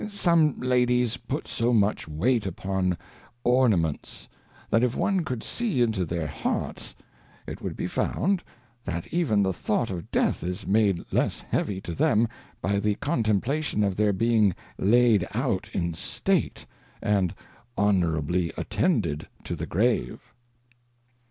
Some Ladies put so much weight upon Ornaments, that if one could see into their Hearts, it would be found, that even the Thought of Death is made less heavy to them by the contemplation of their being laid out in State, and honourably attended to the Grave.